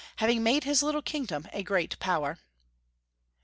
having made his little kingdom a great power.